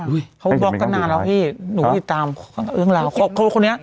อุ๊ยไม่อยากเป็นคำถูกไงพี่หนูตามเรื่องราวคนนี้